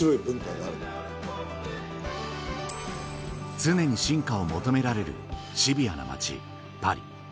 常に進化を求められるシビアな街パリ